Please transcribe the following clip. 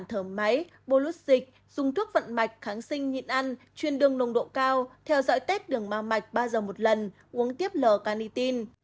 thở máy bô lút dịch dùng thuốc vận mạch kháng sinh nhịn ăn chuyên đường nồng độ cao theo dõi tép đường ma mạch ba giờ một lần uống tiếp l can